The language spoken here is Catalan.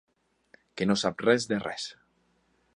Que no sap res de res.